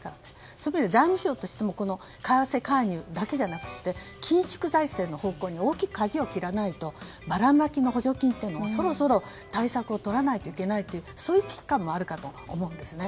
そういう意味で言うと財務省としても為替介入だけでなくて緊縮財政の方向に大きくかじを切らないとばらまきの補助金ともそろそろ対策をとらなきゃいけないというそういう危機感もあると思うんですね。